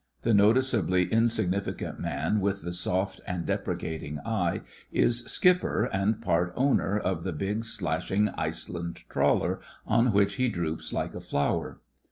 The noticeably insignificant man with the soft and deprecating eye is skipper and part owner of the 14 THE FRINGES OF THE FLEET big slashing Iceland trawler on which he droops like a flower.